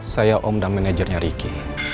saya om dan manajernya ricky